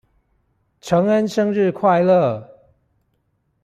承恩生日快樂！